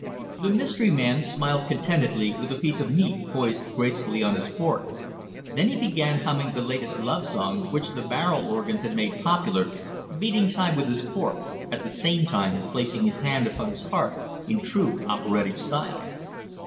The Mystery Man smiled contentedly with a piece of meat poised gracefully on his fork, then he began humming the latest love song which the barrel organs had made popular, beating time with his fork, at the same time placing his hand upon his heart in true operatic style.